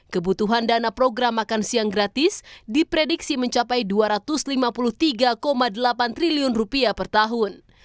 kebutuhan dana program makan siang gratis diprediksi mencapai rp dua ratus lima puluh tiga delapan triliun per tahun